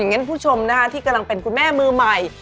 อย่างนั้นผู้ชมที่กำลังเป็นคุณแม่มือใหม่